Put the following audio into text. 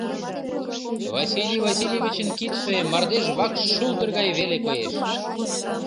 — Василий Васильевичын кидше мардеж вакш шулдыр гай веле коеш.